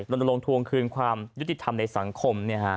ลงทวงคืนความยุติธรรมในสังคม